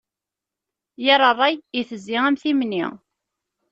Yir ṛṛay itezzi am timni.